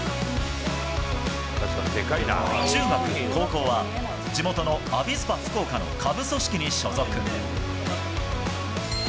中学、高校は、地元のアビスパ福岡の下部組織に所属。